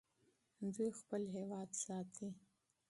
دوی خپل هېواد ساتي.